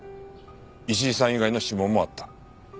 石井さん以外の指紋もあった。